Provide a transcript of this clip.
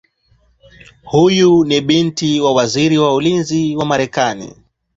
Huyu ni binti wa Waziri wa Ulinzi wa Marekani Bw.